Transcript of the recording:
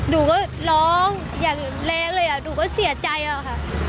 ดูก็ร้องแบบแรงเค้าก็เสียใจค่ะ